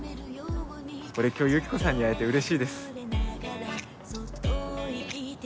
俺今日ユキコさんに会えてうれしいです。